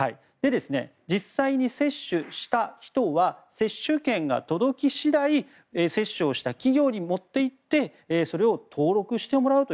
実際に接種した人は接種券が届き次第接種をした企業に持っていってそれを登録してもらうと。